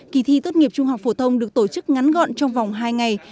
kỳ thi tốt nghiệp trung học phổ thông được tổ chức ngắn gọn trong vòng hai ngày